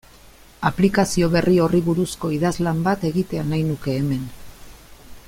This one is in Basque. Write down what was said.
Aplikazio berri horri buruzko idazlan bat egitea nahi nuke hemen.